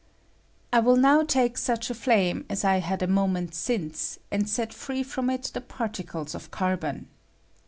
I will now take such a flame as I had a mo ment since, and set free from it the particles of carbon.